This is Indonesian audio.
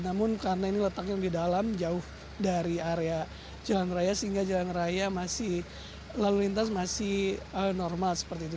namun karena ini letaknya di dalam jauh dari area jalan raya sehingga jalan raya masih lalu lintas masih normal seperti itu